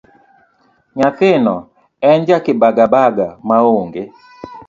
Nyathino en ja kibaga baga maonge.